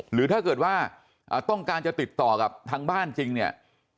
หรือถ้าเกิดว่าต้องการจะติดต่อกับทางบ้านจริงเนี่ย